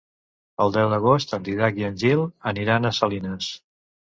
El deu d'agost en Dídac i en Gil aniran a Salines.